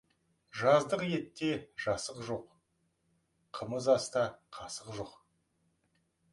Жаздық етте жасық жоқ, қымыз аста қасық жоқ.